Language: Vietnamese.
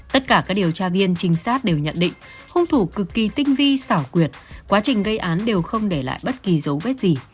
tất cả các điều tra viên trinh sát đều nhận định hung thủ cực kỳ tinh vi xảo quyệt quá trình gây án đều không để lại bất kỳ dấu vết gì